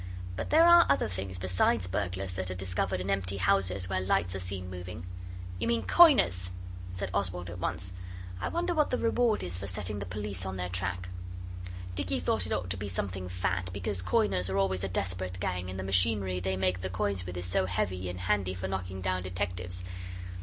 But there are other things besides burglars that are discovered in empty houses where lights are seen moving.' 'You mean coiners,' said Oswald at once. 'I wonder what the reward is for setting the police on their track?' Dicky thought it ought to be something fat, because coiners are always a desperate gang; and the machinery they make the coins with is so heavy and handy for knocking down detectives.